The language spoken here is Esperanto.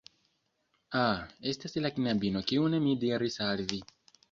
Ah, estas la knabino kiun mi diris al vi